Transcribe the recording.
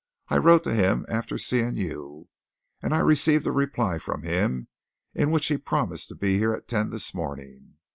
"I wrote to him after seeing you, and I received a reply from him in which he promised to be here at ten this morning.